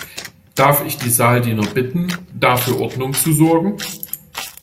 Darf ich die Saaldiener bitten, da für Ordnung zu sorgen.